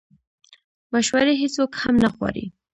مشورې هیڅوک هم نه غواړي